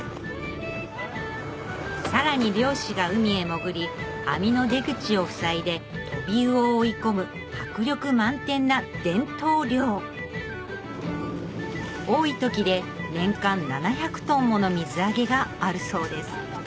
さらに漁師が海へ潜り網の出口をふさいでトビウオを追い込む迫力満点な伝統漁多い時で年間７００ｔもの水揚げがあるそうです